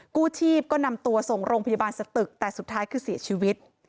กู้ชีพก็นำตัวส่งโรงพยาบาลสตึกแต่สุดท้ายคือเสียชีวิต